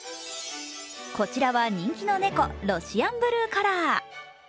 こちらは人気の猫ロシアンブルーカラー。